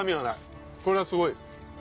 これはすごい。